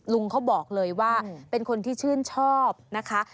ลุงเขาบอกเลยว่าเป็นคนที่ชื่นชอบนะคะ